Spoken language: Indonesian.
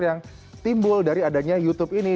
yang timbul dari adanya youtube ini